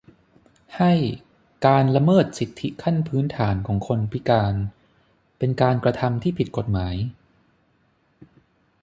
ให้ การละเมิดสิทธิขั้นพื้นฐานของคนพิการ เป็นการกระทำที่ผิดกฎหมาย